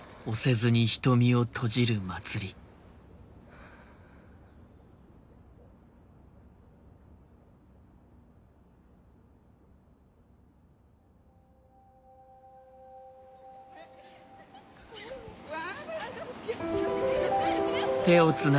ハァ。うお！